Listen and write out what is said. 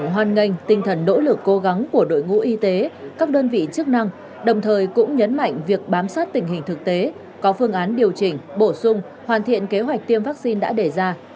hoan nghênh tinh thần nỗ lực cố gắng của đội ngũ y tế các đơn vị chức năng đồng thời cũng nhấn mạnh việc bám sát tình hình thực tế có phương án điều chỉnh bổ sung hoàn thiện kế hoạch tiêm vaccine đã đề ra